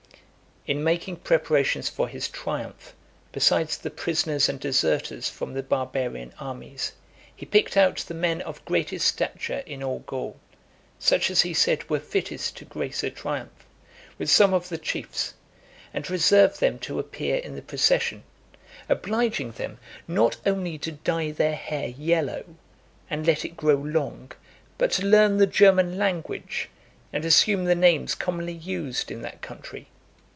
XLVII. In making preparations for his triumph, besides the prisoners and deserters from the barbarian armies, he picked out the men of greatest stature in all Gaul, such as he said were fittest to grace a triumph, with some of the chiefs, and reserved them to appear in the procession; obliging them not only to dye their hair yellow, and let it grow long, but to learn the German language, and assume the names commonly used in that country.